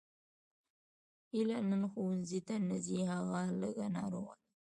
هیله نن ښوونځي ته نه ځي هغه لږه ناروغه ده